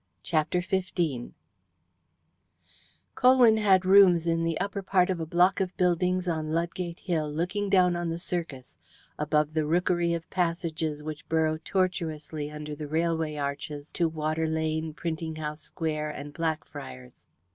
CHAPTER XV Colwyn had rooms in the upper part of a block of buildings on Ludgate Hill, looking down on the Circus, above the rookery of passages which burrow tortuously under the railway arches to Water Lane, Printing House Square, and Blackfriars.